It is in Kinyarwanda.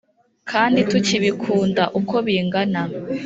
kandi tukibikunda uko bingana